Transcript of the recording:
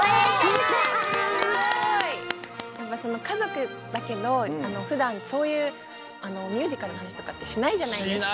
やっぱかぞくだけどふだんそういうミュージカルのはなしとかってしないじゃないですか。